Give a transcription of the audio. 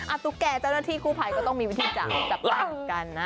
ตุ๊กแก่เจ้าหน้าที่คู่ภัยก็ต้องมีวิธีจับตาเหมือนกันนะ